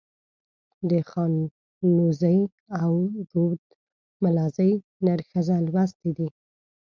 د خانوزۍ او رودملازۍ نر ښځه لوستي دي.